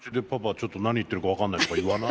「ちょっと何言ってるか分かんない」とか言わない？